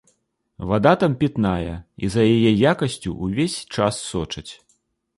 Вада там пітная і за яе якасцю ўвесь час сочаць.